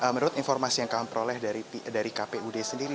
menurut informasi yang kami peroleh dari kpud sendiri